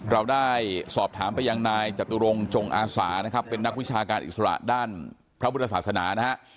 เราได้สอบถามไปอย่างนายจัตรุรงจงอาสาเป็นนักวิชาการอิสระด้านพระวุทธศาสนา